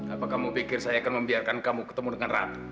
apa kamu pikir saya akan membiarkan kamu ketemu dengan ratu